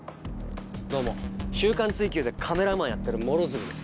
どうも『週刊追求』でカメラマンやってる両角です。